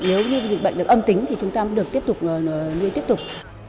nếu như dịch bệnh được âm tính thì chúng ta được tiếp tục nuôi tiếp tục